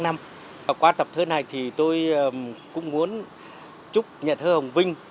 năm và qua tập thơ này thì tôi cũng muốn chúc nhà thơ hồng vinh